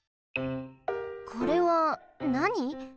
これはなに？